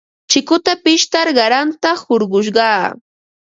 Chikuta pishtar qaranta hurqushqaa.